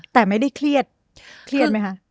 แต่ไม่ได้เครียดเครียดไหมคะ